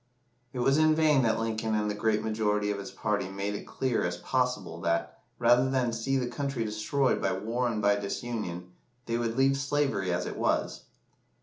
It was in vain that Lincoln and the great majority of his party made it clear as possible that, rather than see the country destroyed by war and by disunion, they would leave slavery as it was.